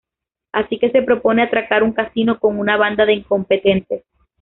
Así que se propone atracar un casino con una banda de incompetentes.